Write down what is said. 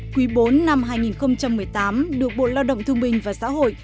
quý bốn năm hai nghìn một mươi tám được bộ lao động thương minh và xã hội